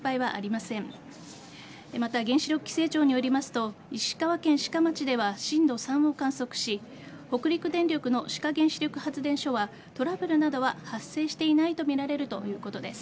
また、原子力規制庁によりますと石川県志賀町では震度３を観測し北陸電力の志賀原子力発電所はトラブルなどは発生していないとみられるということです。